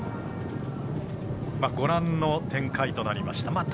ご覧の展開となりました。